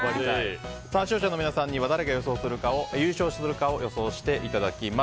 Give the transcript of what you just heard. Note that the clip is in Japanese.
視聴者の皆さんには誰が優勝するかを予想していただきます。